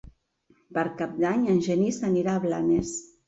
Per Cap d'Any en Genís anirà a Blanes.